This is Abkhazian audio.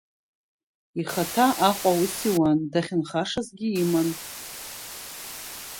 Ихаҭа Аҟәа аус иуан, дахьынхашазгьы иман.